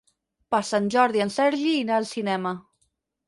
Per Sant Jordi en Sergi irà al cinema.